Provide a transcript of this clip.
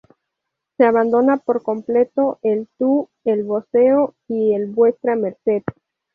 Se abandona por completo el tú, el voseo y el vuestra merced.